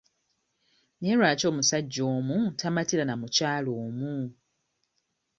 Naye lwaki omusajja omu tamatira na mukyala omu?